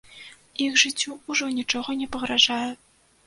Іх жыццю ўжо нічога не пагражае.